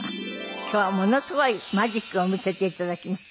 今日はものすごいマジックを見せて頂きます。